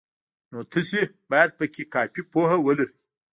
نو تاسې باید پکې کافي پوهه ولرئ.